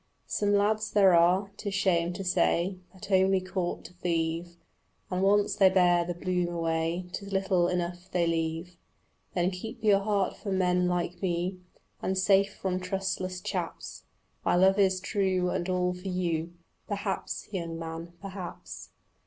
Some lads there are, 'tis shame to say, That only court to thieve, And once they bear the bloom away 'Tis little enough they leave. Then keep your heart for men like me And safe from trustless chaps. My love is true and all for you. "Perhaps, young man, perhaps."